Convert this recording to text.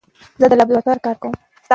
زه د لابراتوار کار ګورم.